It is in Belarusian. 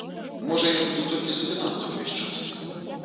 Можа, я буду толькі запінацца ўвесь час?